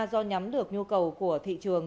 do nhắm được nhu cầu của thị trường